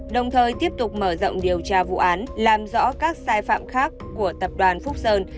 đồng thời tiếp tục mở rộng điều tra vụ án làm rõ các sai phạm khác của tập đoàn phúc sơn